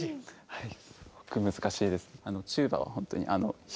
はい。